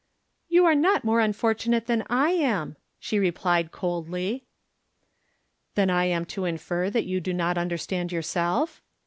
You are not more unfortunate than I am," she replied, coldly. " Then I am to infer that you do not under stand yourself?